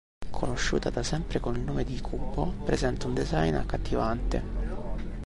Conosciuta da sempre con il nome di “Cubo”, presenta un design accattivante.